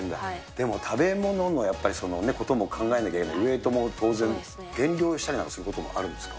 でも、食べ物のやっぱり、ことも考えなければ、ウエイトも当然、減量したりすることもあるんですか？